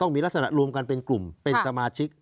มีลักษณะรวมกันเป็นกลุ่มเป็นสมาชิก